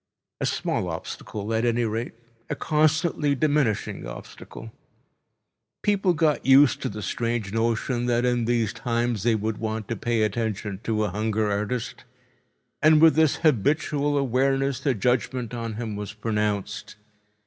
A small obstacle, at any rate, a constantly diminishing obstacle. People got used to the strange notion that in these times they would want to pay attention to a hunger artist, and with this habitual awareness the judgment on him was pronounced.